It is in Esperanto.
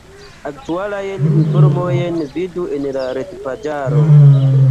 Aktualajn informojn vidu en la retpaĝaro.